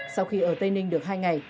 sau khi ở tây ninh được hai ngày